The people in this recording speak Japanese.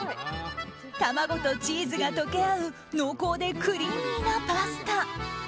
卵とチーズが溶け合う濃厚でクリーミーなパスタ。